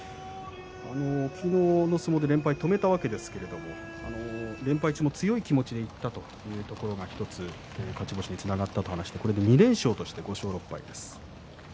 昨日の相撲で連敗を止めたんですが連敗中も強い気持ちでいったというところが１つ勝ち星につながったということでこれで２連勝として５勝６敗です。